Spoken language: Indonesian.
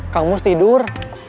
kang mus tidur